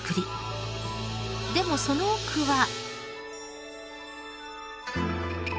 でもその奥は。